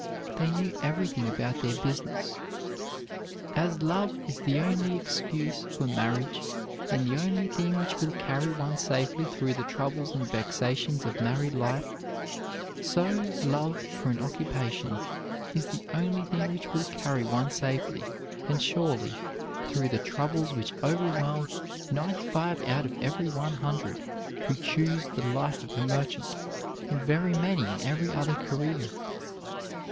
They knew everything about their business. As love is the only excuse for marriage, and the only thing which will carry one safely through the troubles and vexations of married life, so love for an occupation is the only thing which will carry one safely and surely through the troubles which overwhelm ninety five out of every one hundred who choose the life of a merchant, and very many in every other career.